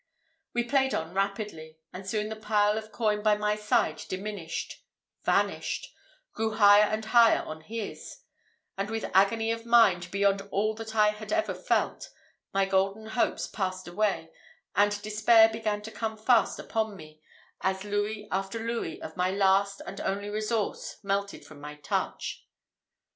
We played on rapidly, and soon the pile of coin by my side diminished vanished grew higher and higher on his; and with agony of mind beyond all that I had ever felt, my golden hopes passed away, and despair began to come fast upon me, as louis after louis of my last and only resource melted from my touch.